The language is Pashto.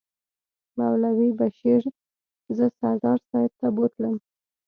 مولوي بشیر زه سردار صاحب ته بوتلم.